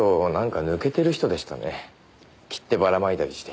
切手ばらまいたりして。